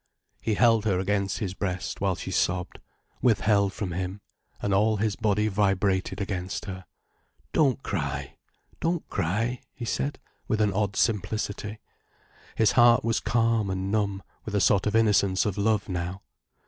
He held her against his breast, whilst she sobbed, withheld from him, and all his body vibrated against her. "Don't cry—don't cry," he said, with an odd simplicity. His heart was calm and numb with a sort of innocence of love, now.